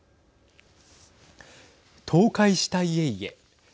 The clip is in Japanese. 倒壊した家々。